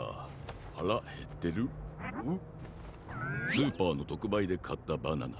スーパーのとくばいでかったバナナ。